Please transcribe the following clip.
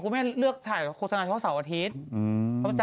คุณแม่เลือกถ่ายโฆษณาชั่วเศรษฐี